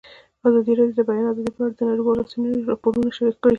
ازادي راډیو د د بیان آزادي په اړه د نړیوالو رسنیو راپورونه شریک کړي.